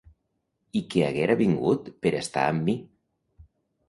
I que haguera vingut per estar amb mi.